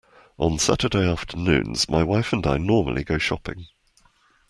On Saturday afternoons my wife and I normally go shopping